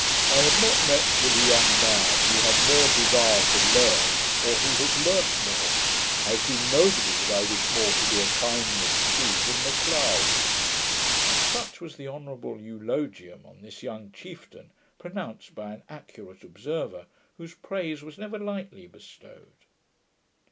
I have not met with a young man who had more desire to learn, or who has learnt more. I have seen nobody that I wish more to do a kindness to than Macleod.' Such was the honourable elogium, on this young chieftain, pronounced by an accurate observer, whose praise was never lightly bestowed.